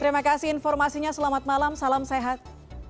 terima kasih informasinya selamat malam salam sehat